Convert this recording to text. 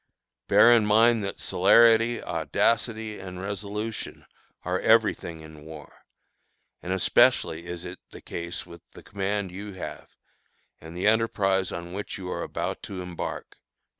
Bear in mind that celerity, audacity, and resolution are every thing in war; and especially is it the case with the command you have, and the enterprise on which you are about to embark."